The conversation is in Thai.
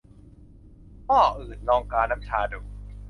หม้ออื่น ! ลองกาน้ำชาดู